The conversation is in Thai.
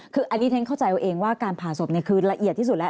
คืออันนี้ฉันเข้าใจเอาเองว่าการผ่าศพคือละเอียดที่สุดแล้ว